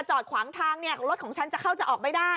จอดขวางทางเนี่ยรถของฉันจะเข้าจะออกไม่ได้